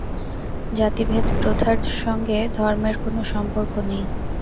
জাতিভেদ-প্রথার সঙ্গে ধর্মের কোন সম্পর্ক নেই।